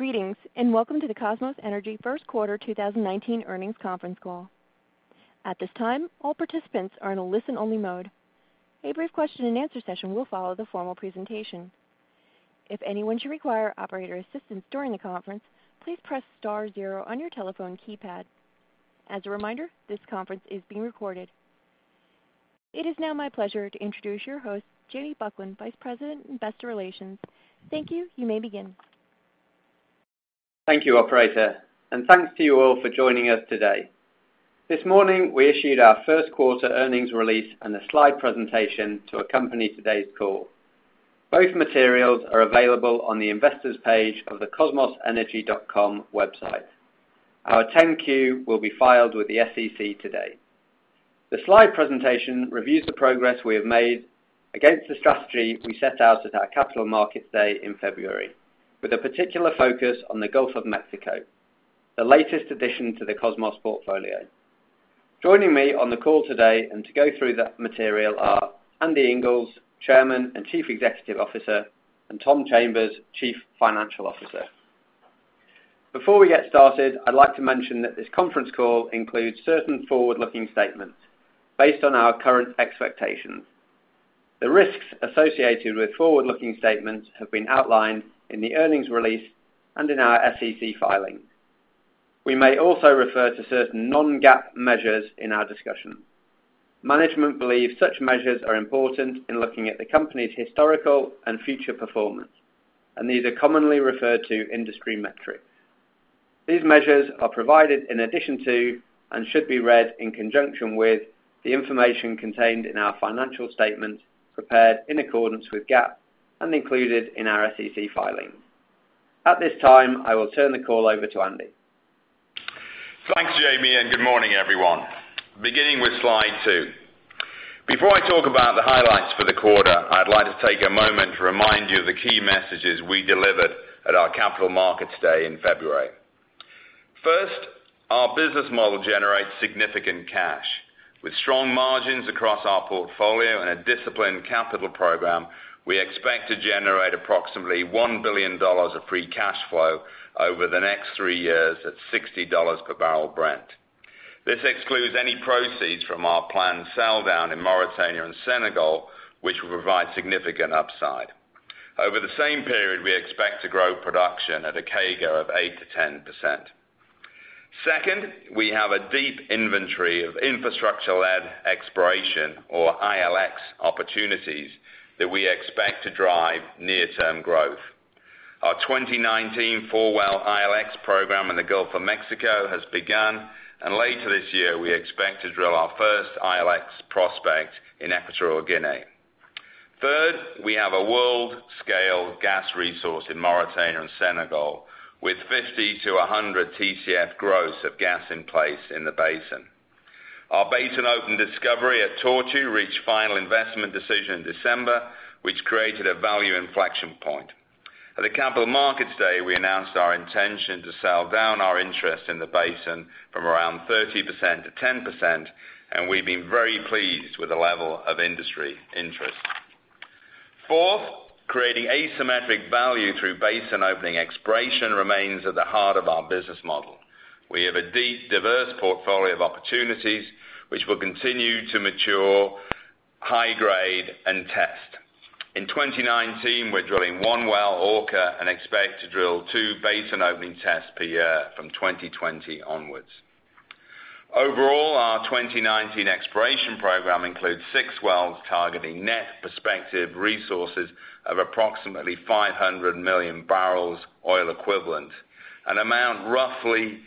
Greetings, welcome to the Kosmos Energy first quarter 2019 earnings conference call. At this time, all participants are in a listen-only mode. A brief question-and-answer session will follow the formal presentation. If anyone should require operator assistance during the conference, please press star zero on your telephone keypad. As a reminder, this conference is being recorded. It is now my pleasure to introduce your host, Jamie Buckland, Vice President, Investor Relations. Thank you. You may begin. Thank you, Operator, thanks to you all for joining us today. This morning, we issued our first quarter earnings release and a slide presentation to accompany today's call. Both materials are available on the investors page of the kosmosenergy.com website. Our 10-Q will be filed with the SEC today. The slide presentation reviews the progress we have made against the strategy we set out at our Capital Markets Day in February with a particular focus on the Gulf of Mexico, the latest addition to the Kosmos portfolio. Joining me on the call today and to go through that material are Andy Inglis, Chairman and Chief Executive Officer, and Tom Chambers, Chief Financial Officer. Before we get started, I'd like to mention that this conference call includes certain forward-looking statements based on our current expectations. The risks associated with forward-looking statements have been outlined in the earnings release and in our SEC filing. We may also refer to certain non-GAAP measures in our discussion. Management believes such measures are important in looking at the company's historical and future performance, and these are commonly referred to industry metrics. These measures are provided in addition to and should be read in conjunction with the information contained in our financial statements prepared in accordance with GAAP and included in our SEC filings. At this time, I will turn the call over to Andy. Thanks, Jamie, good morning, everyone. Beginning with slide two. Before I talk about the highlights for the quarter, I'd like to take a moment to remind you of the key messages we delivered at our Capital Markets Day in February. First, our business model generates significant cash. With strong margins across our portfolio and a disciplined capital program, we expect to generate approximately $1 billion of free cash flow over the next three years at $60 per barrel Brent. This excludes any proceeds from our planned sell-down in Mauritania and Senegal, which will provide significant upside. Over the same period, we expect to grow production at a CAGR of 8%-10%. Second, we have a deep inventory of infrastructure-led exploration or ILX opportunities that we expect to drive near-term growth. Our 2019 four-well ILX program in the Gulf of Mexico has begun. Later this year, we expect to drill our first ILX prospect in Equatorial Guinea. Third, we have a world-scale gas resource in Mauritania and Senegal with 50-100 TCF gross of gas in place in the basin. Our basin open discovery at Tortue reached final investment decision in December, which created a value inflection point. At the Capital Markets Day, we announced our intention to sell down our interest in the basin from around 30%-10%. We've been very pleased with the level of industry interest. Fourth, creating asymmetric value through basin-opening exploration remains at the heart of our business model. We have a deep, diverse portfolio of opportunities, which we'll continue to mature, high grade, and test. In 2019, we're drilling one well, Orca, and expect to drill two basin-opening tests per year from 2020 onwards. Overall, our 2019 exploration program includes six wells targeting net prospective resources of approximately 500 million barrels oil equivalent, an amount roughly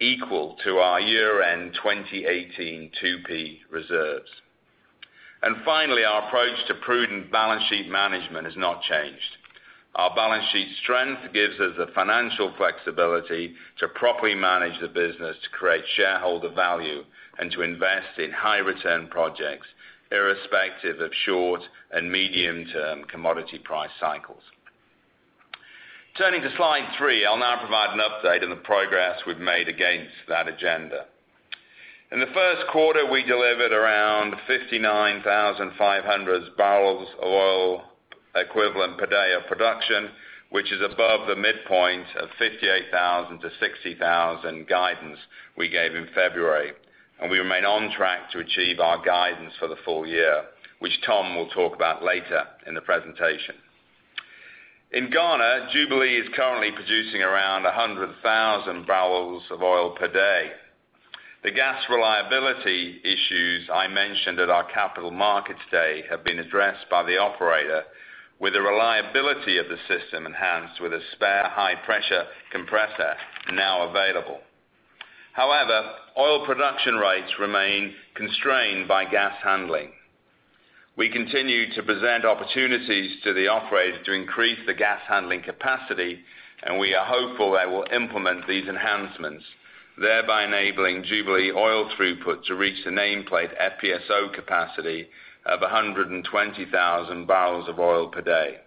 equal to our year-end 2018 2P reserves. Finally, our approach to prudent balance sheet management has not changed. Our balance sheet strength gives us the financial flexibility to properly manage the business to create shareholder value and to invest in high-return projects irrespective of short- and medium-term commodity price cycles. Turning to slide three. I'll now provide an update on the progress we've made against that agenda. In the first quarter, we delivered around 59,500 barrels of oil equivalent per day of production, which is above the midpoint of 58,000-60,000 guidance we gave in February. We remain on track to achieve our guidance for the full year, which Tom will talk about later in the presentation. In Ghana, Jubilee is currently producing around 100,000 barrels of oil per day. The gas reliability issues I mentioned at our Capital Markets Day have been addressed by the operator with the reliability of the system enhanced with a spare high-pressure compressor now available. However, oil production rates remain constrained by gas handling. We continue to present opportunities to the operator to increase the gas handling capacity. We are hopeful they will implement these enhancements, thereby enabling Jubilee oil throughput to reach the nameplate FPSO capacity of 120,000 barrels of oil per day.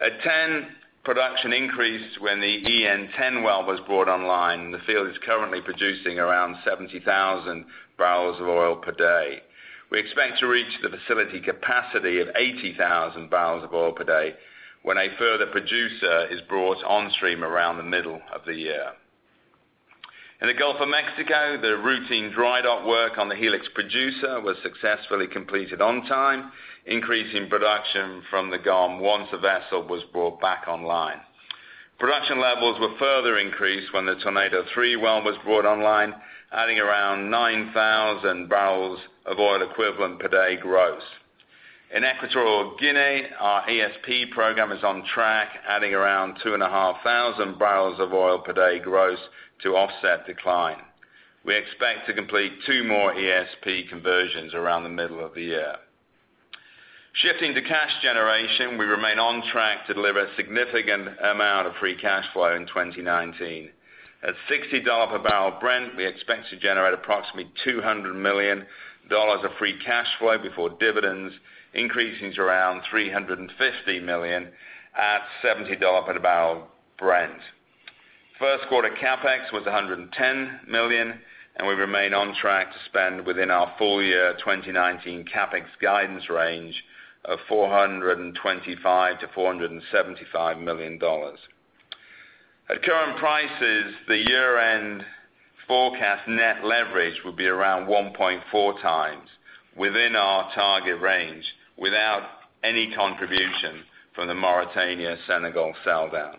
At TEN, production increased when the EN10 well was brought online. The field is currently producing around 70,000 barrels of oil per day. We expect to reach the facility capacity of 80,000 barrels of oil per day when a further producer is brought on stream around the middle of the year. In the Gulf of Mexico, the routine dry dock work on the Helix Producer was successfully completed on time, increasing production from the GOM once a vessel was brought back online. Production levels were further increased when the Tornado 3 well was brought online, adding around 9,000 barrels of oil equivalent per day gross. In Equatorial Guinea, our ESP program is on track, adding around 2,500 barrels of oil per day gross to offset decline. We expect to complete two more ESP conversions around the middle of the year. Shifting to cash generation, we remain on track to deliver a significant amount of free cash flow in 2019. At $60 per barrel Brent, we expect to generate approximately $200 million of free cash flow before dividends, increasing to around $350 million at $70 per barrel Brent. First quarter CapEx was $110 million, and we remain on track to spend within our full year 2019 CapEx guidance range of $425 million-$475 million. At current prices, the year-end forecast net leverage will be around 1.4 times within our target range without any contribution from the Mauritania Senegal sell down.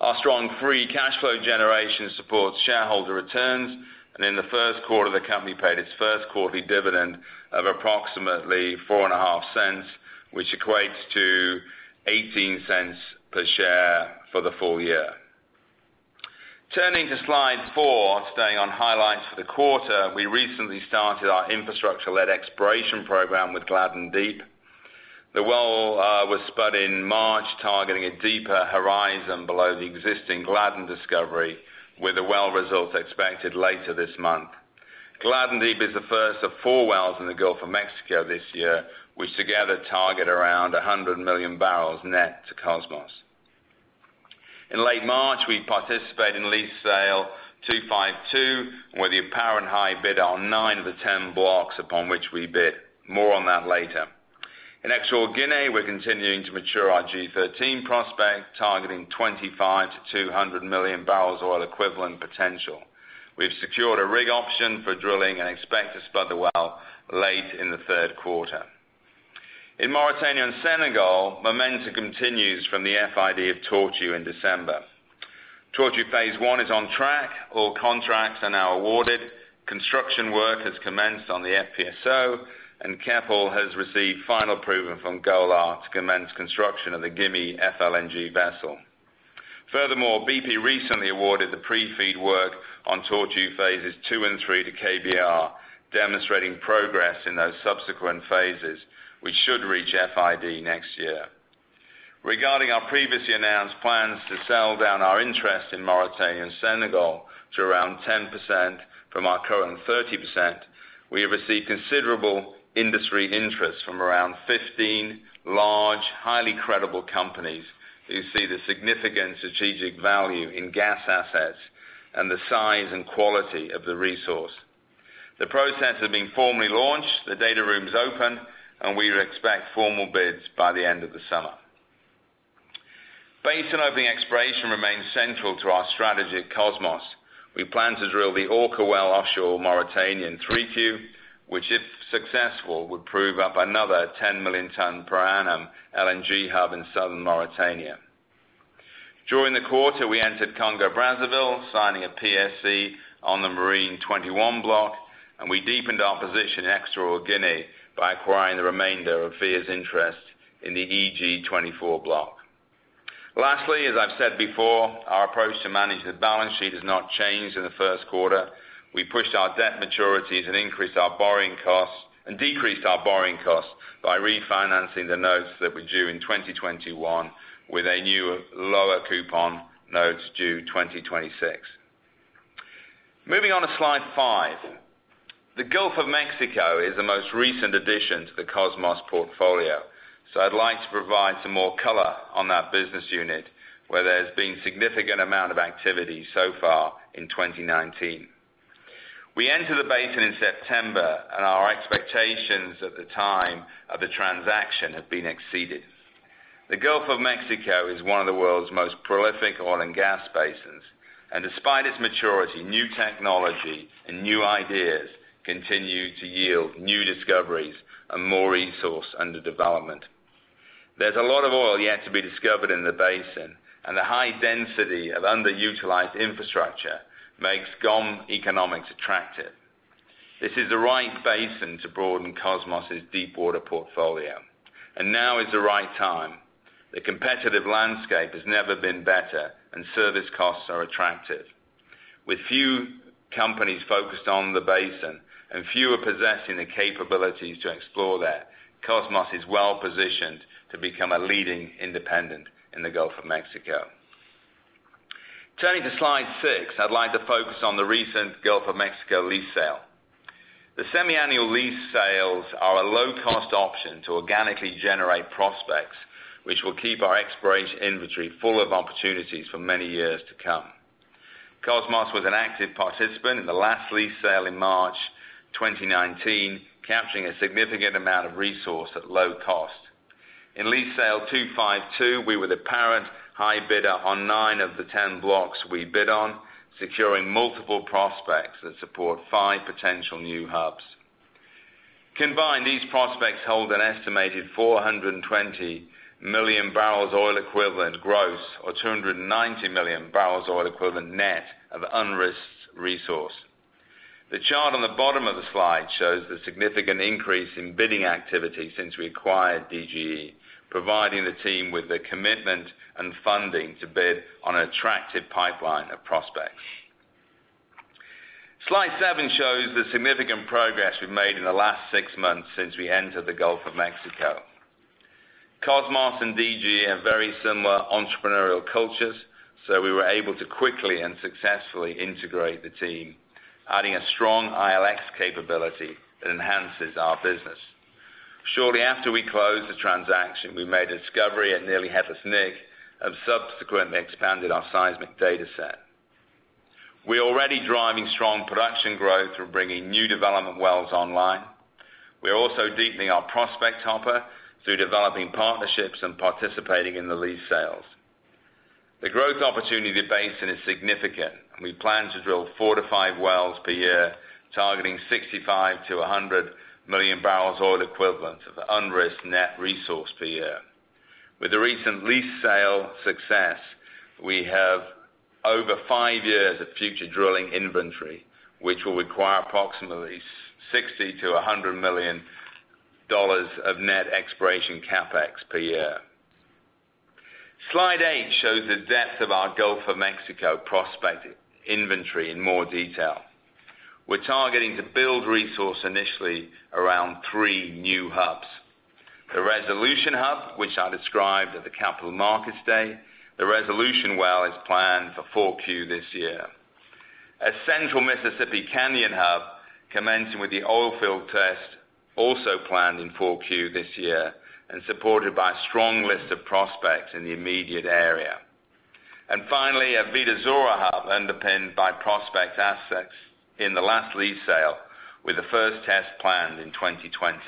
Our strong free cash flow generation supports shareholder returns, and in the first quarter, the company paid its first quarterly dividend of approximately $0.045, which equates to $0.18 per share for the full year. Turning to slide four, staying on highlights for the quarter, we recently started our infrastructure-led exploration program with Gladden Deep. The well was spud in March, targeting a deeper horizon below the existing Gladden discovery, with a well result expected later this month. Gladden Deep is the first of four wells in the Gulf of Mexico this year, which together target around 100 million barrels net to Kosmos. In late March, we participated in Lease Sale 252 with the apparent high bid on nine of the 10 blocks upon which we bid. More on that later. In Equatorial Guinea, we're continuing to mature our G13 prospect, targeting 25 million-200 million barrels oil equivalent potential. We've secured a rig option for drilling and expect to spud the well late in the third quarter. In Mauritania and Senegal, momentum continues from the FID of Tortue in December. Tortue phase 1 is on track. All contracts are now awarded. Construction work has commenced on the FPSO, and Keppel has received final approval from Golar to commence construction of the Gimi FLNG vessel. Furthermore, BP recently awarded the Pre-FEED work on Tortue phases 2 and 3 to KBR, demonstrating progress in those subsequent phases. We should reach FID next year. Regarding our previously announced plans to sell down our interest in Mauritania and Senegal to around 10% from our current 30%, we have received considerable industry interest from around 15 large, highly credible companies who see the significant strategic value in gas assets and the size and quality of the resource. The process has been formally launched, the data room is open, and we expect formal bids by the end of the summer. Basin opening exploration remains central to our strategy at Kosmos. We plan to drill the Orca well offshore Mauritania in 3Q, which, if successful, would prove up another 10 million ton per annum LNG hub in southern Mauritania. During the quarter, we entered Congo, Brazzaville, signing a PSC on the Marine 21 block, and we deepened our position in Equatorial Guinea by acquiring the remainder of FIN's interest in the EG-24 block. Lastly, as I've said before, our approach to manage the balance sheet has not changed in the first quarter. We pushed our debt maturities and decreased our borrowing costs by refinancing the notes that were due in 2021 with a new lower coupon notes due 2026. Moving on to slide five. The Gulf of Mexico is the most recent addition to the Kosmos portfolio, so I'd like to provide some more color on that business unit where there's been significant amount of activity so far in 2019. We entered the basin in September, and our expectations at the time of the transaction have been exceeded. The Gulf of Mexico is one of the world's most prolific oil and gas basins, and despite its maturity, new technology and new ideas continue to yield new discoveries and more resource under development. There's a lot of oil yet to be discovered in the basin, and the high density of underutilized infrastructure makes GOM economics attractive. This is the right basin to broaden Kosmos's deepwater portfolio. Now is the right time. The competitive landscape has never been better, and service costs are attractive. With few companies focused on the basin and fewer possessing the capabilities to explore there, Kosmos is well-positioned to become a leading independent in the Gulf of Mexico. Turning to slide six, I'd like to focus on the recent Gulf of Mexico lease sale. The semiannual lease sales are a low-cost option to organically generate prospects, which will keep our exploration inventory full of opportunities for many years to come. Kosmos was an active participant in the last lease sale in March 2019, capturing a significant amount of resource at low cost. In Lease Sale 252, we were the apparent high bidder on nine of the 10 blocks we bid on, securing multiple prospects that support five potential new hubs. Combined, these prospects hold an estimated 420 million barrels oil equivalent gross or 290 million barrels oil equivalent net of unrisked resource. The chart on the bottom of the slide shows the significant increase in bidding activity since we acquired DGE, providing the team with the commitment and funding to bid on an attractive pipeline of prospects. Slide seven shows the significant progress we've made in the last six months since we entered the Gulf of Mexico. Kosmos and DGE have very similar entrepreneurial cultures, so we were able to quickly and successfully integrate the team, adding a strong ILX capability that enhances our business. Shortly after we closed the transaction, we made a discovery at Nearly Headless Nick and subsequently expanded our seismic data set. We're already driving strong production growth through bringing new development wells online. We are also deepening our prospect hopper through developing partnerships and participating in the lease sales. The growth opportunity basin is significant, and we plan to drill four to five wells per year, targeting 65 to 100 million barrels oil equivalent of unrisked net resource per year. With the recent lease sale success, we have over five years of future drilling inventory, which will require approximately $60 million-$100 million of net exploration CapEx per year. Slide eight shows the depth of our Gulf of Mexico prospective inventory in more detail. We're targeting to build resource initially around three new hubs. The Resolution Hub, which I described at the Capital Markets Day. The Resolution well is planned for 4Q this year. A Central Mississippi Canyon Hub commencing with the oil field test also planned in 4Q this year and supported by a strong list of prospects in the immediate area. Finally, a Vida, Zora hub underpinned by prospect assets in the last lease sale with the first test planned in 2020.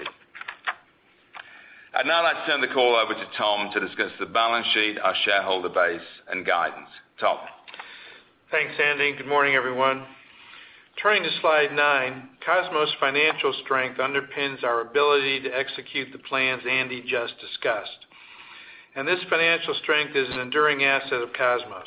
Now I'd like to turn the call over to Tom to discuss the balance sheet, our shareholder base, and guidance. Tom? Thanks, Andy, and good morning, everyone. Turning to slide nine, Kosmos' financial strength underpins our ability to execute the plans Andy just discussed. This financial strength is an enduring asset of Kosmos.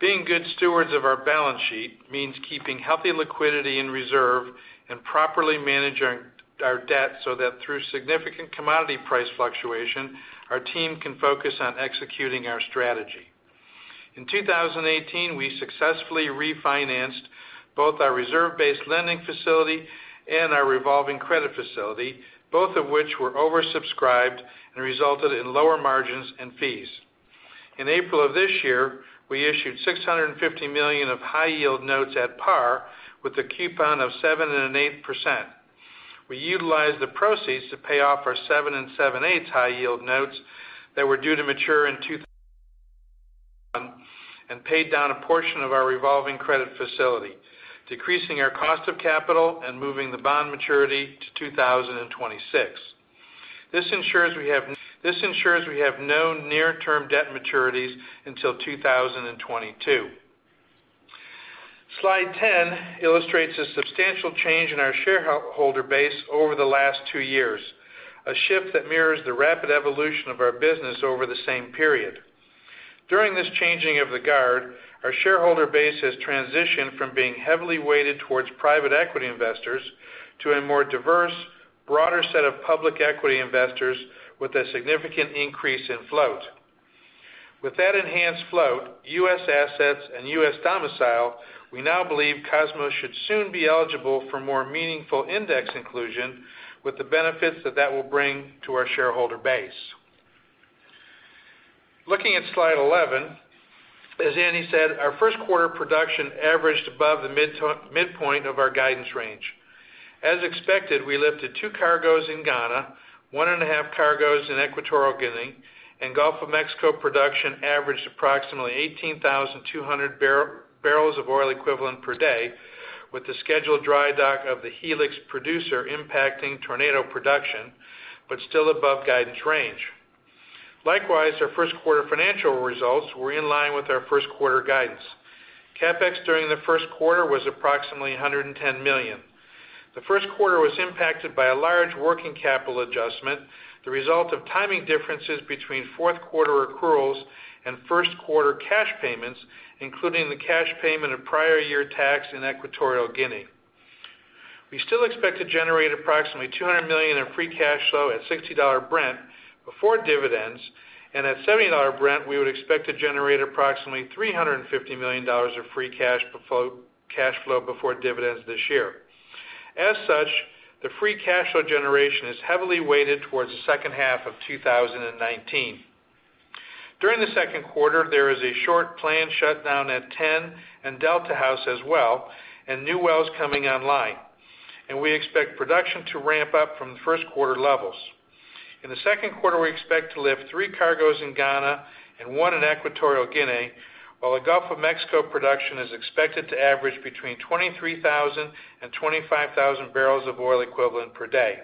Being good stewards of our balance sheet means keeping healthy liquidity in reserve and properly managing our debt so that through significant commodity price fluctuation, our team can focus on executing our strategy. In 2018, we successfully refinanced both our reserve-based lending facility and our revolving credit facility, both of which were oversubscribed and resulted in lower margins and fees. In April of this year, we issued $650 million of high yield notes at par with a coupon of 7.8%. We utilized the proceeds to pay off our 7 7/8 high yield notes that were due to mature in 2021 and paid down a portion of our revolving credit facility, decreasing our cost of capital and moving the bond maturity to 2026. This ensures we have no near-term debt maturities until 2022. Slide 10 illustrates a substantial change in our shareholder base over the last two years, a shift that mirrors the rapid evolution of our business over the same period. During this changing of the guard, our shareholder base has transitioned from being heavily weighted towards private equity investors to a more diverse, broader set of public equity investors with a significant increase in float. With that enhanced float, U.S. assets, and U.S. domicile, we now believe Kosmos should soon be eligible for more meaningful index inclusion with the benefits that that will bring to our shareholder base. Looking at slide 11, as Andy said, our first quarter production averaged above the midpoint of our guidance range. As expected, we lifted two cargoes in Ghana, one and a half cargoes in Equatorial Guinea, and Gulf of Mexico production averaged approximately 18,200 barrels of oil equivalent per day, with the scheduled dry dock of the Helix Producer impacting Tornado production, but still above guidance range. Likewise, our first quarter financial results were in line with our first quarter guidance. CapEx during the first quarter was approximately $110 million. The first quarter was impacted by a large working capital adjustment, the result of timing differences between fourth quarter accruals and first quarter cash payments, including the cash payment of prior year tax in Equatorial Guinea. We still expect to generate approximately $200 million in free cash flow at $60 Brent before dividends. At $70 Brent, we would expect to generate approximately $350 million of free cash flow before dividends this year. As such, the free cash flow generation is heavily weighted towards the second half of 2019. During the second quarter, there is a short planned shutdown at Ten and DeltaHouse as well. New wells coming online, and we expect production to ramp up from the first quarter levels. In the second quarter, we expect to lift three cargoes in Ghana and one in Equatorial Guinea, while the Gulf of Mexico production is expected to average between 23,000 and 25,000 barrels of oil equivalent per day.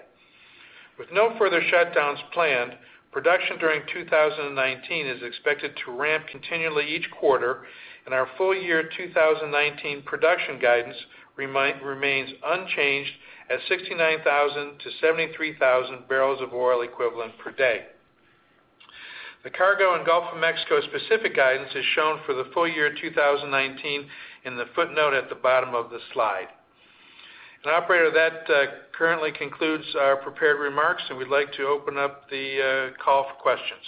With no further shutdowns planned, production during 2019 is expected to ramp continually each quarter, and our full year 2019 production guidance remains unchanged at 69,000 to 73,000 barrels of oil equivalent per day. The cargo in Gulf of Mexico specific guidance is shown for the full year 2019 in the footnote at the bottom of the slide. Operator, that currently concludes our prepared remarks, and we'd like to open up the call for questions.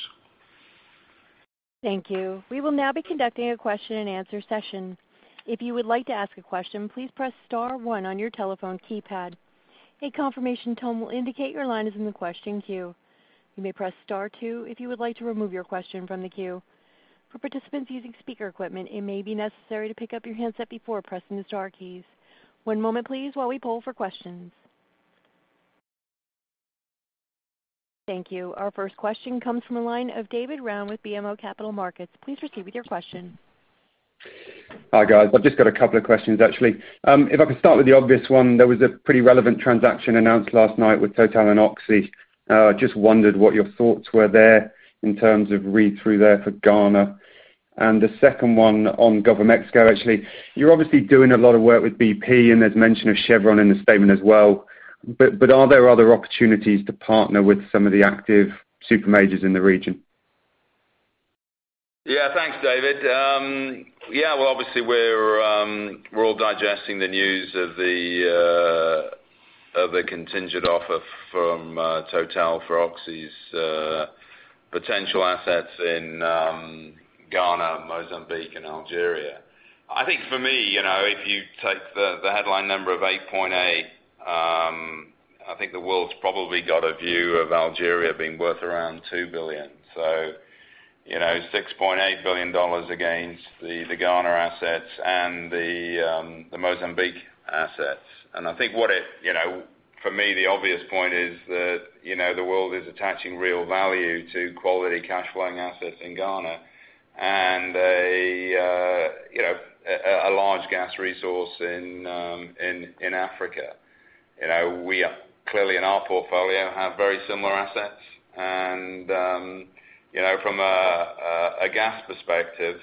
Thank you. We will now be conducting a question and answer session. If you would like to ask a question, please press star one on your telephone keypad. A confirmation tone will indicate your line is in the question queue. You may press star two if you would like to remove your question from the queue. For participants using speaker equipment, it may be necessary to pick up your handset before pressing the star keys. One moment please, while we poll for questions. Thank you. Our first question comes from the line of David Round with BMO Capital Markets. Please proceed with your question. Hi, guys. I've just got a couple of questions, actually. If I could start with the obvious one, there was a pretty relevant transaction announced last night with Dayton and Oxy. Just wondered what your thoughts were there in terms of read-through there for Ghana. The second one on Gulf of Mexico, actually. You're obviously doing a lot of work with BP, and there's mention of Chevron in the statement as well, but are there other opportunities to partner with some of the active super majors in the region? Thanks, David. Obviously, we're all digesting the news of the contingent offer from Total for Oxy's potential assets in Ghana, Mozambique, and Algeria. I think for me, if you take the headline number of $8.8 billion, I think the world's probably got a view of Algeria being worth around $2 billion. $6.8 billion against the Ghana assets and the Mozambique assets. I think for me, the obvious point is that the world is attaching real value to quality cash flowing assets in Ghana and a large gas resource in Africa. We are clearly in our portfolio, have very similar assets. From a gas perspective,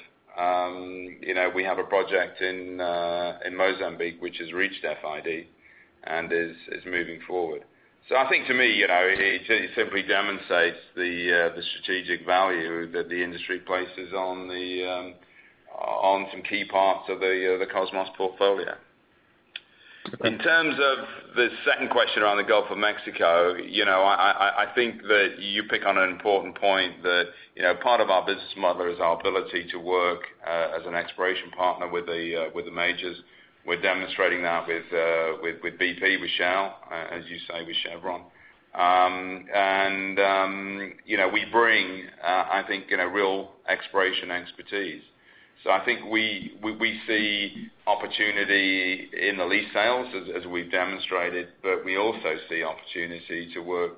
we have a project in Mozambique which has reached FID and is moving forward. I think to me, it simply demonstrates the strategic value that the industry places on some key parts of the Kosmos portfolio. Okay. In terms of the second question around the Gulf of Mexico, I think that you pick on an important point that, part of our business model is our ability to work as an exploration partner with the majors. We're demonstrating that with BP, with Shell, as you say, with Chevron. We bring, I think, real exploration expertise. I think we see opportunity in the lease sales, as we've demonstrated, but we also see opportunity to work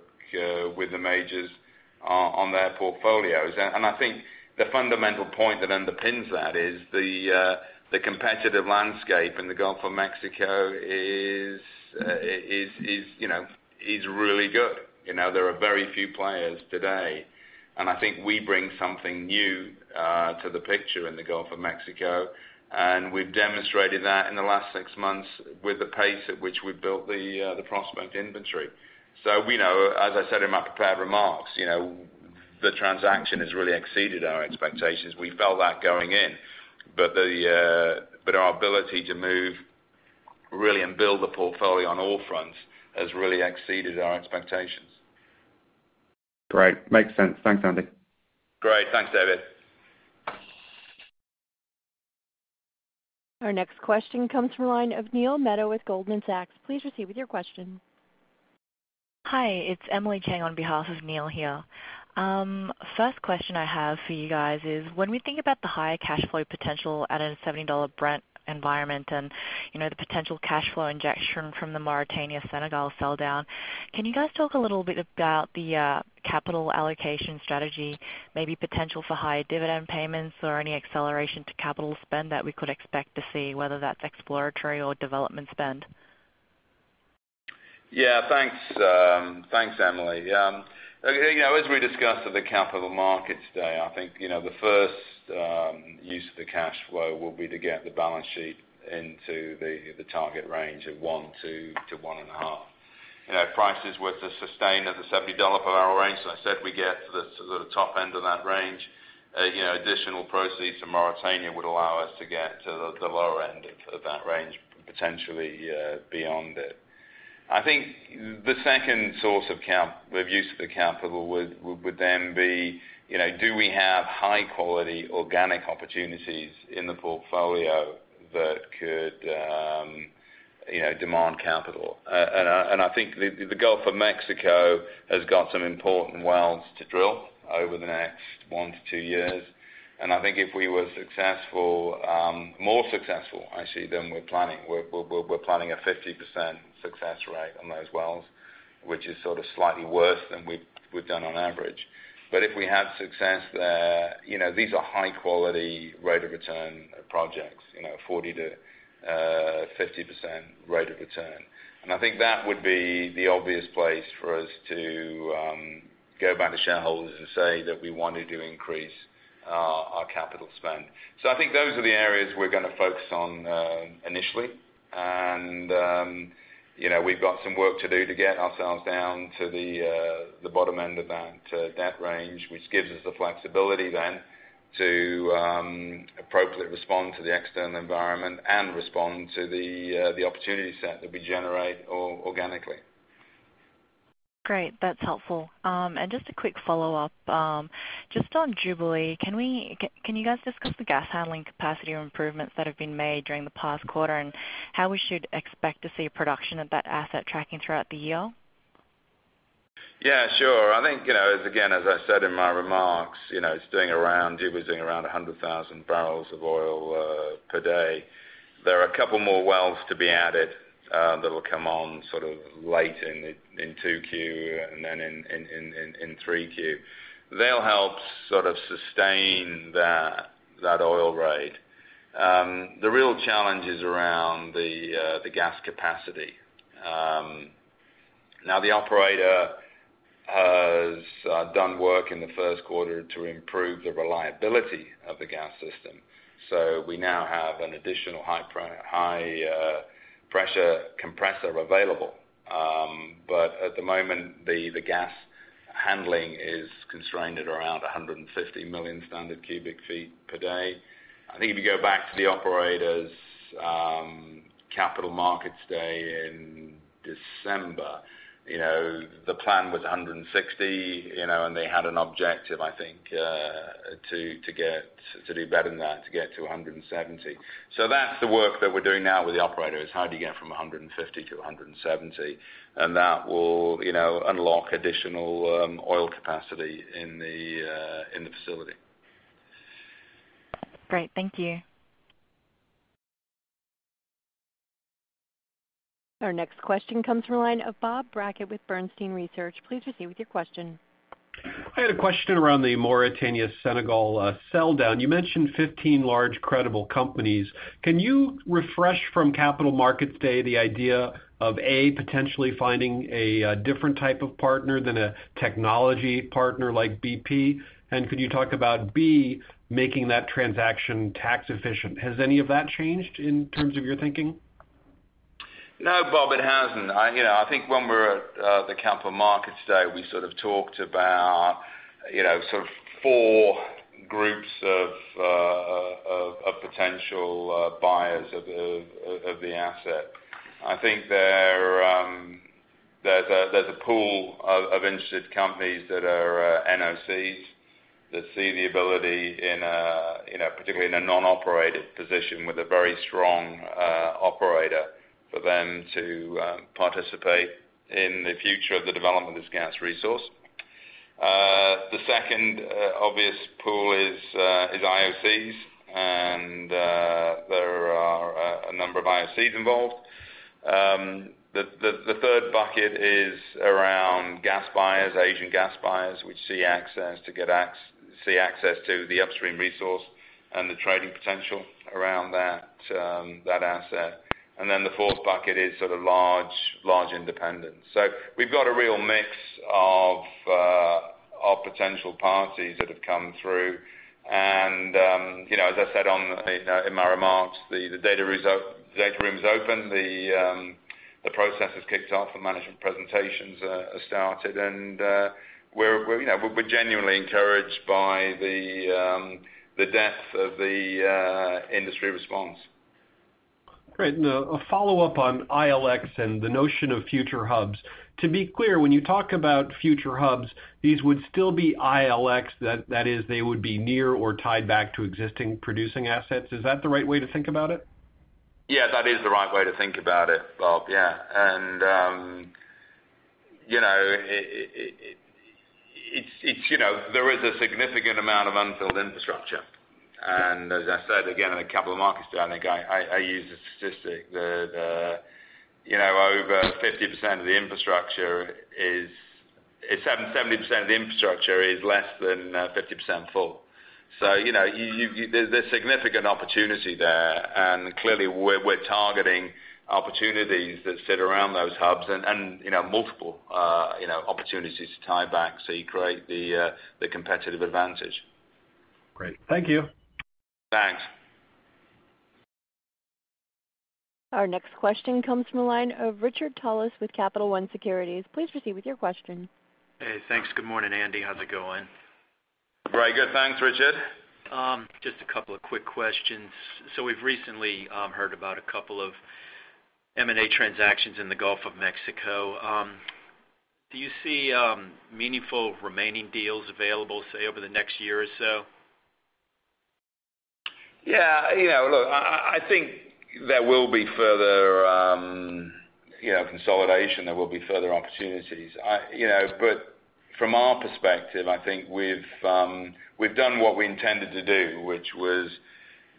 with the majors on their portfolios. I think the fundamental point that underpins that is the competitive landscape in the Gulf of Mexico is really good. There are very few players today, and I think we bring something new to the picture in the Gulf of Mexico. We've demonstrated that in the last six months with the pace at which we've built the prospect inventory. We know, as I said in my prepared remarks, the transaction has really exceeded our expectations. We felt that going in. Our ability to move really and build the portfolio on all fronts has really exceeded our expectations. Great. Makes sense. Thanks, Andy. Great. Thanks, David. Our next question comes from the line of Neil Mehta with Goldman Sachs. Please proceed with your question. Hi, it's Emily Chang on behalf of Neil here. First question I have for you guys is, when we think about the high cash flow potential at a $70 Brent environment and the potential cash flow injection from the Mauritania, Senegal sell down, can you guys talk a little bit about the capital allocation strategy, maybe potential for higher dividend payments or any acceleration to capital spend that we could expect to see, whether that's exploratory or development spend? Yeah. Thanks, Emily. As we discussed at the Capital Markets Day, I think the first use of the cash flow will be to get the balance sheet into the target range of one to 1.5. Prices were to sustain at the $70 per barrel range. As I said, we get to the top end of that range. Additional proceeds from Mauritania would allow us to get to the lower end of that range, potentially beyond it. I think the second source of use of the capital would then be, do we have high-quality organic opportunities in the portfolio that could demand capital? I think the Gulf of Mexico has got some important wells to drill over the next one to two years. I think if we were more successful actually than we're planning. We're planning a 50% success rate on those wells, which is sort of slightly worse than we've done on average. If we have success there, these are high-quality rate of return projects, 40%-50% rate of return. I think that would be the obvious place for us to go back to shareholders and say that we wanted to increase our capital spend. I think those are the areas we're going to focus on initially. We've got some work to do to get ourselves down to the bottom end of that range, which gives us the flexibility then to appropriately respond to the external environment and respond to the opportunity set that we generate organically. Great. That's helpful. Just a quick follow-up. Just on Jubilee, can you guys discuss the gas handling capacity or improvements that have been made during the past quarter, and how we should expect to see production of that asset tracking throughout the year? Yeah, sure. I think, again, as I said in my remarks, Jubilee is doing around 100,000 barrels of oil per day. There are a couple more wells to be added that'll come on sort of late in 2Q and then in 3Q. They'll help sort of sustain that oil rate. The real challenge is around the gas capacity. Now the operator has done work in the first quarter to improve the reliability of the gas system. We now have an additional high pressure compressor available. At the moment, the gas handling is constrained at around 150 million standard cubic feet per day. I think if you go back to the operator's Capital Markets Day in December, the plan was 160, and they had an objective, I think, to do better than that, to get to 170. That's the work that we're doing now with the operator, is how do you get from 150 to 170? That will unlock additional oil capacity in the facility. Great. Thank you. Our next question comes from the line of Bob Brackett with Bernstein Research. Please proceed with your question. I had a question around the Mauritania Senegal sell down. You mentioned 15 large credible companies. Can you refresh from Capital Markets Day the idea of, A, potentially finding a different type of partner than a technology partner like BP? Could you talk about, B, making that transaction tax efficient? Has any of that changed in terms of your thinking? No, Bob, it hasn't. I think when we were at the Capital Markets Day, we sort of talked about four groups of potential buyers of the asset. I think there's a pool of interested companies that are NOCs that see the ability, particularly in a non-operated position with a very strong operator, for them to participate in the future of the development of this gas resource. The second obvious pool is IOCs, and there are a number of IOCs involved. The third bucket is around gas buyers, Asian gas buyers, which see access to the upstream resource and the trading potential around that asset. Then the fourth bucket is sort of large independents. We've got a real mix of potential parties that have come through and as I said in my remarks, the data room is open, the process has kicked off, and management presentations have started. We're genuinely encouraged by the depth of the industry response. Great. A follow-up on ILX and the notion of future hubs. To be clear, when you talk about future hubs, these would still be ILX, that is, they would be near or tied back to existing producing assets. Is that the right way to think about it? Yeah, that is the right way to think about it, Bob. Yeah. There is a significant amount of unfilled infrastructure. As I said again, in a two of markets, I think I used a statistic that over 70% of the infrastructure is less than 50% full. There's significant opportunity there. Clearly we're targeting opportunities that sit around those hubs and multiple opportunities to tie back so you create the competitive advantage. Great. Thank you. Thanks. Our next question comes from the line of Richard Tullis with Capital One Securities. Please proceed with your question. Hey, thanks. Good morning, Andy. How's it going? Very good. Thanks, Richard. Just a couple of quick questions. We've recently heard about a couple of M&A transactions in the Gulf of Mexico. Do you see meaningful remaining deals available, say, over the next year or so? Yeah. Look, I think there will be further consolidation. There will be further opportunities. From our perspective, I think we've done what we intended to do, which was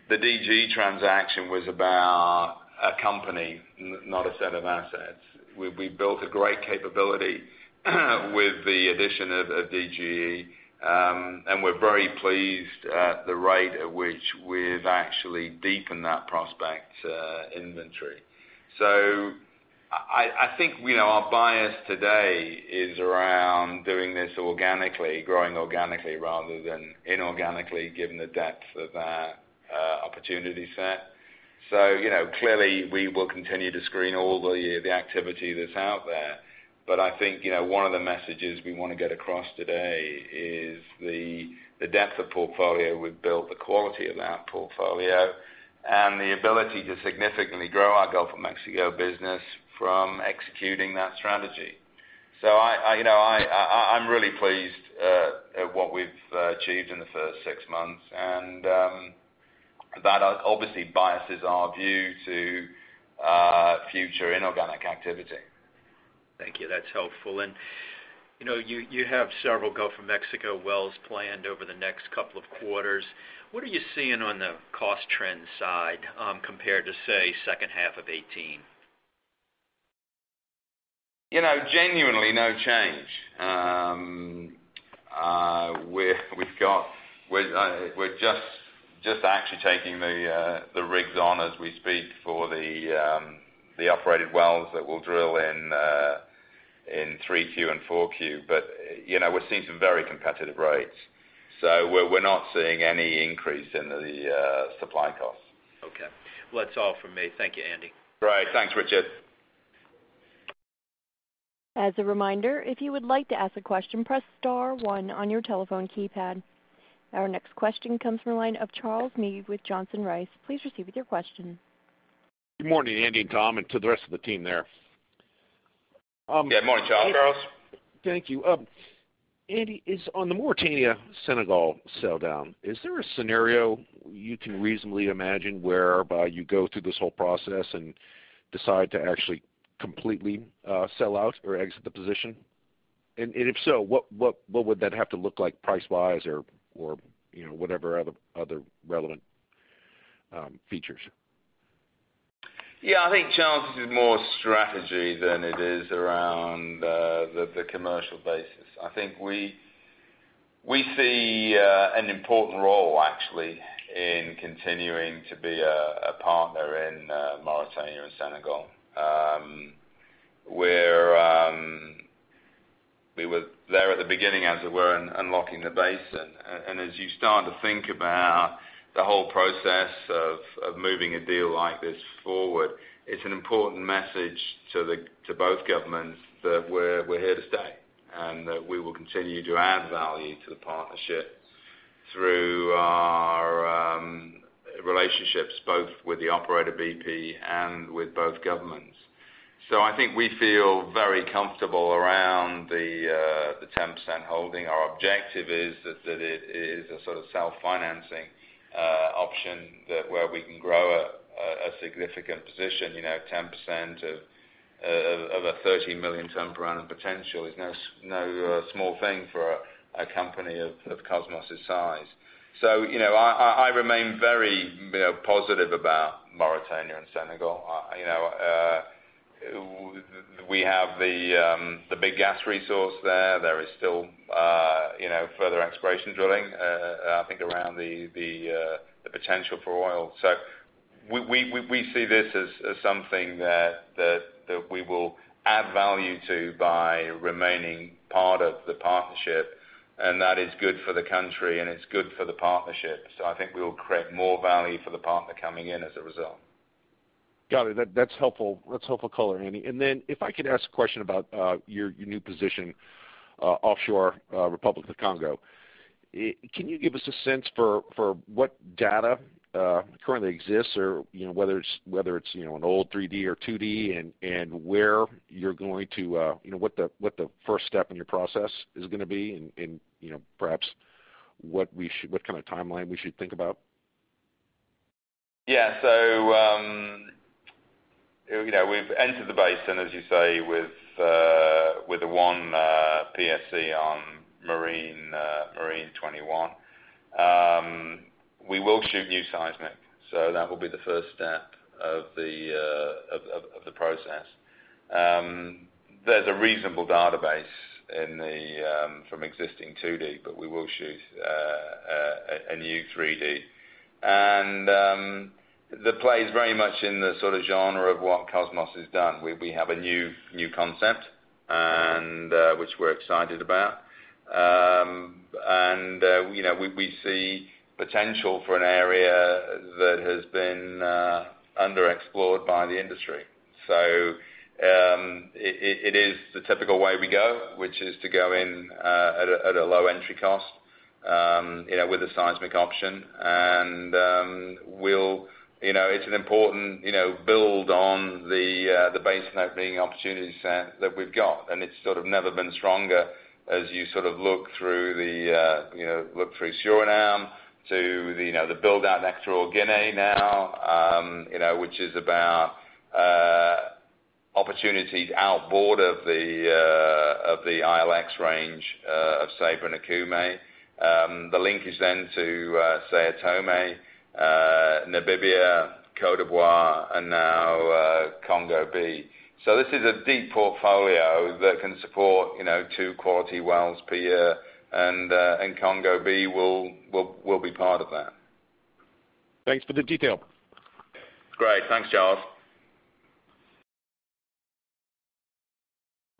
the DGE transaction was about a company, not a set of assets. We built a great capability with the addition of DGE, and we're very pleased at the rate at which we've actually deepened that prospect inventory. I think our bias today is around doing this organically, growing organically rather than inorganically, given the depth of that opportunity set. Clearly we will continue to screen all the activity that's out there. I think, one of the messages we want to get across today is the depth of portfolio we've built, the quality of that portfolio, and the ability to significantly grow our Gulf of Mexico business from executing that strategy. I'm really pleased at what we've achieved in the first six months, and that obviously biases our view to future inorganic activity. Thank you. That's helpful. You have several Gulf of Mexico wells planned over the next couple of quarters. What are you seeing on the cost trend side, compared to, say, second half of 2018? Genuinely, no change. We're just actually taking the rigs on as we speak for the operated wells that we'll drill in Q3 and Q4. We're seeing some very competitive rates. We're not seeing any increase in the supply costs. Okay. Well, that's all from me. Thank you, Andy. Great. Thanks, Richard. As a reminder, if you would like to ask a question, press star one on your telephone keypad. Our next question comes from the line of Charles Meade with Johnson Rice. Please proceed with your question. Good morning, Andy and Tom, and to the rest of the team there. Good morning, Charles. Thank you. Andy, on the Mauritania Senegal sell down, is there a scenario you can reasonably imagine whereby you go through this whole process and decide to actually completely sell out or exit the position? If so, what would that have to look like price-wise or whatever other relevant features? I think, Charles, this is more strategy than it is around the commercial basis. I think we see an important role actually in continuing to be a partner in Mauritania and Senegal. We were there at the beginning, as it were, unlocking the basin. As you start to think about the whole process of moving a deal like this forward, it's an important message to both governments that we're here to stay, and that we will continue to add value to the partnership through our relationships, both with the operator, BP, and with both governments. I think we feel very comfortable around the 10% holding. Our objective is that it is a sort of self-financing option where we can grow a significant position. 10% of a 30 million ton per annum potential is no small thing for a company of Kosmos' size. I remain very positive about Mauritania and Senegal. We have the big gas resource there. There is still further exploration drilling, I think, around the potential for oil. We see this as something that we will add value to by remaining part of the partnership, and that is good for the country, and it's good for the partnership. I think we will create more value for the partner coming in as a result. Got it. That's helpful color, Andy. If I could ask a question about your new position offshore Republic of Congo. Can you give us a sense for what data currently exists or whether it's an old 3D or 2D, and what the first step in your process is going to be and, perhaps what kind of timeline we should think about? Yeah. We've entered the basin, as you say, with the one PSC on Marine 21. We will shoot new seismic, that will be the first step of the process. There's a reasonable database from existing 2D, but we will shoot a new 3D. The play is very much in the genre of what Kosmos has done. We have a new concept which we're excited about. We see potential for an area that has been underexplored by the industry. It is the typical way we go, which is to go in at a low entry cost, with a seismic option. It's an important build on the basin opportunity set that we've got, and it's sort of never been stronger as you look through Suriname to the build out in Equatorial Guinea now, which is opportunities outboard of the ILX range of Ceiba and Okume. The link is then to São Tomé, Namibia, Côte d'Ivoire, and now Congo B. This is a deep portfolio that can support two quality wells per year, and Congo B will be part of that. Thanks for the detail. Great. Thanks, Charles.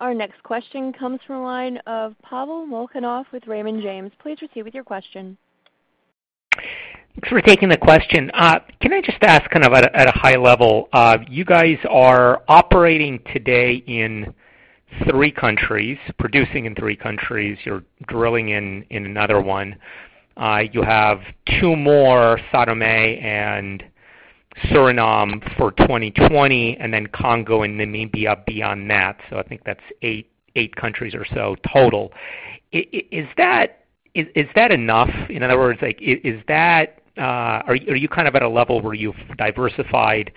Our next question comes from the line of Pavel Molchanov with Raymond James. Please proceed with your question. Thanks for taking the question. Can I just ask at a high level, you guys are operating today in three countries, producing in three countries, you're drilling in another one. You have two more, São Tomé and Suriname for 2020, then Congo and Namibia beyond that. I think that's eight countries or so total. Is that enough? In other words, are you at a level where you've diversified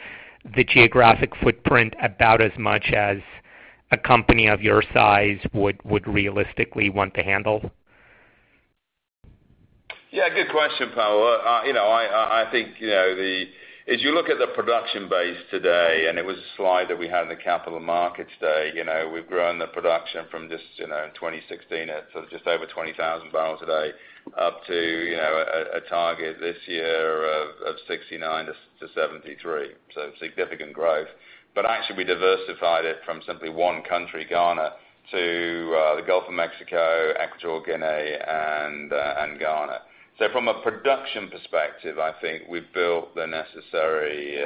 the geographic footprint about as much as a company of your size would realistically want to handle? Yeah, good question, Pavel. I think as you look at the production base today, and it was a slide that we had in the Capital Markets Day, we've grown the production from just in 2016 at just over 20,000 barrels a day up to a target this year of 69 to 73. Significant growth. Actually we diversified it from simply one country, Ghana, to the Gulf of Mexico, Equatorial Guinea, and Ghana. From a production perspective, I think we've built the necessary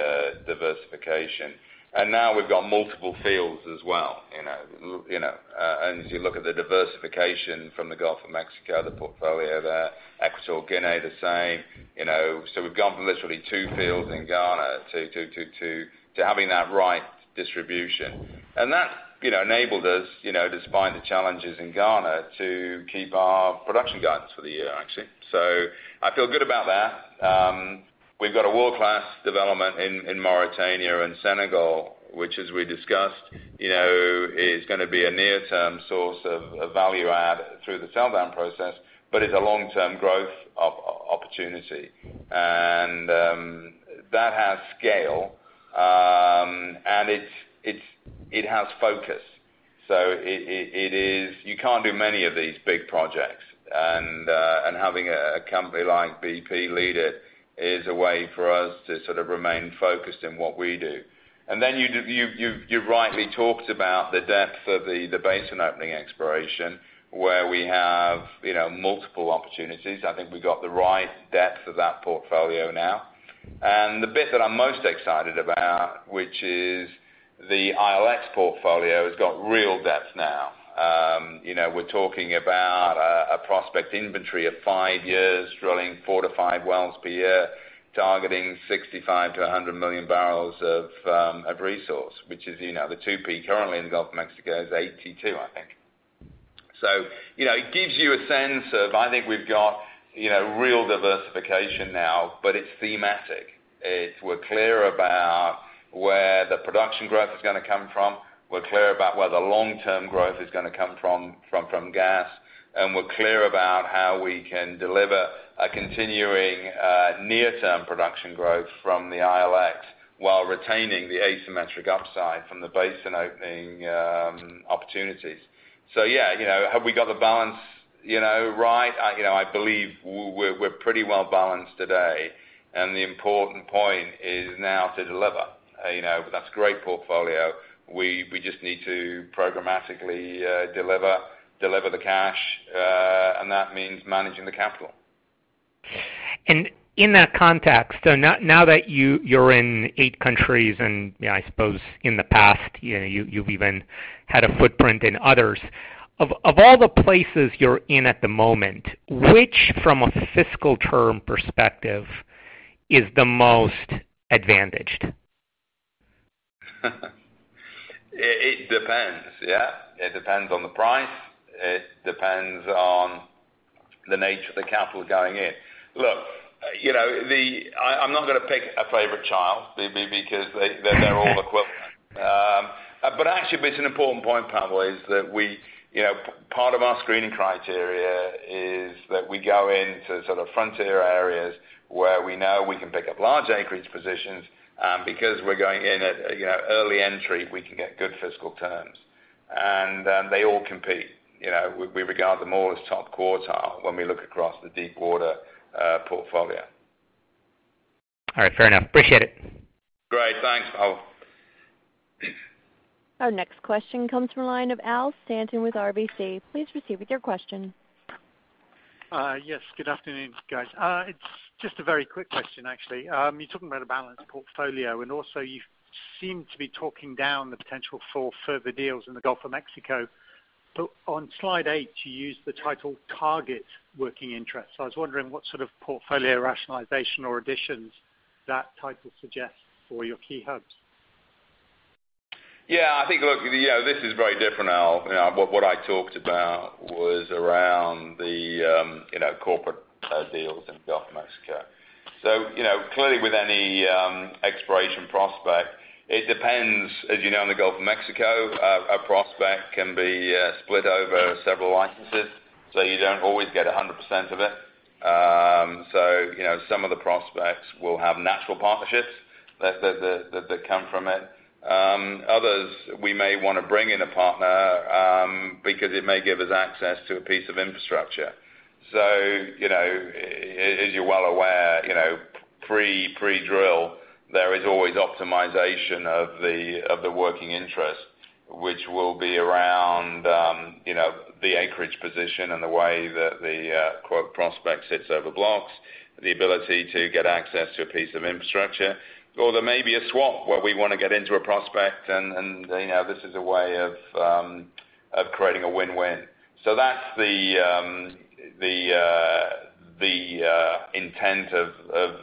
diversification. Now we've got multiple fields as well. As you look at the diversification from the Gulf of Mexico, the portfolio there, Equatorial Guinea, the same. We've gone from literally two fields in Ghana to having that right distribution. That enabled us, despite the challenges in Ghana, to keep our production guidance for the year, actually. I feel good about that. We've got a world-class development in Mauritania and Senegal, which, as we discussed, is going to be a near-term source of value add through the sell-down process, but is a long-term growth opportunity. That has scale. It has focus. You can't do many of these big projects. Having a company like BP lead it is a way for us to sort of remain focused in what we do. You rightly talked about the depth of the basin opening exploration, where we have multiple opportunities. I think we've got the right depth of that portfolio now. The bit that I'm most excited about, which is the ILX portfolio, has got real depth now. We're talking about a prospect inventory of five years, drilling four to five wells per year, targeting 65 million-100 million barrels of resource, which is the 2P currently in the Gulf of Mexico is 82, I think. It gives you a sense of, I think we've got real diversification now, but it's thematic. We're clear about where the production growth is going to come from. We're clear about where the long-term growth is going to come from gas, and we're clear about how we can deliver a continuing near-term production growth from the ILX while retaining the asymmetric upside from the basin opening opportunities. Have we got the balance right? I believe we're pretty well-balanced today, and the important point is now to deliver. That's a great portfolio. We just need to programmatically deliver the cash, and that means managing the capital. In that context, now that you're in eight countries, and I suppose in the past, you've even had a footprint in others. Of all the places you're in at the moment, which from a fiscal term perspective is the most advantaged? It depends, yeah. It depends on the price. It depends on the nature of the capital going in. Look, I'm not going to pick a favorite child because they're all equivalent. Actually, it's an important point, Pavel, is that part of our screening criteria is that we go into sort of frontier areas where we know we can pick up large acreage positions, and because we're going in at early entry, we can get good fiscal terms. They all compete. We regard them all as top quartile when we look across the deep water portfolio. All right. Fair enough. Appreciate it. Great. Thanks, Pavel. Our next question comes from the line of Al Stanton with RBC. Please proceed with your question. Yes. Good afternoon, guys. It is just a very quick question, actually. You are talking about a balanced portfolio, also you seem to be talking down the potential for further deals in the Gulf of Mexico. On Slide eight, you used the title Target Working Interest. I was wondering what sort of portfolio rationalization or additions that title suggests for your key hubs. Yeah, I think, look, this is very different, Al. What I talked about was around the corporate deals in the Gulf of Mexico. Clearly, with any exploration prospect, it depends. As you know, in the Gulf of Mexico, a prospect can be split over several licenses, so you don't always get 100% of it. Some of the prospects will have natural partnerships that come from it. Others, we may want to bring in a partner because it may give us access to a piece of infrastructure. As you're well aware, pre-drill, there is always optimization of the working interest, which will be around the acreage position and the way that the prospect sits over blocks, the ability to get access to a piece of infrastructure. There may be a swap where we want to get into a prospect, and this is a way of creating a win-win. That's the intent of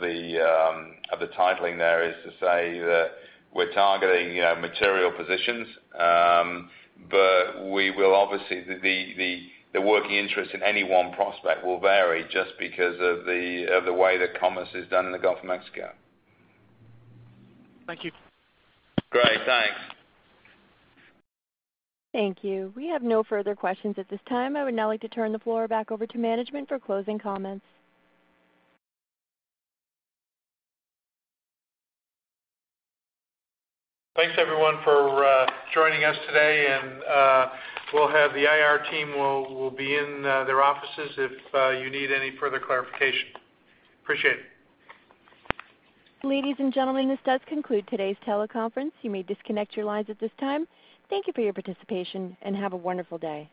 the titling there, is to say that we're targeting material positions. Obviously, the working interest in any one prospect will vary just because of the way that commerce is done in the Gulf of Mexico. Thank you. Great. Thanks. Thank you. We have no further questions at this time. I would now like to turn the floor back over to management for closing comments. Thanks, everyone, for joining us today. The IR team will be in their offices if you need any further clarification. Appreciate it. Ladies and gentlemen, this does conclude today's teleconference. You may disconnect your lines at this time. Thank you for your participation, and have a wonderful day.